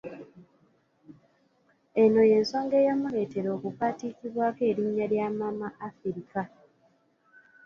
Eno y'ensonga eyamuleetera okupaatiikibwako erinnya lya "Mama Afirika"